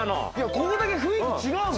ここだけ雰囲気違うもん。